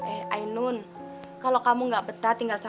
eh ainun kalau kamu gak betah tinggal di sini